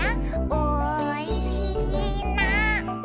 「おいしいな」